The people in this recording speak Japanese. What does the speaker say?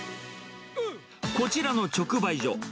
こちらの直売所。